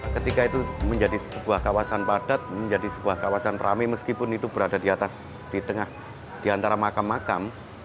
ketika itu menjadi sebuah kawasan padat menjadi sebuah kawasan ramai meskipun itu berada di atas di tengah di antara makam makam